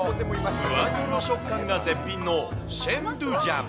ふわとろ食感が絶品のシェンドゥジャン。